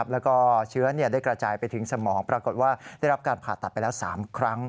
แล้วก็เชื้อได้กระจายไปถึงสมองปรากฏว่าได้รับการผ่าตัดไปแล้ว๓ครั้ง